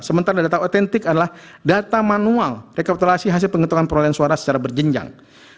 sementara data otentik adalah data manual rekapitulasi hasil penghitungan perolehan suara secara berjenjang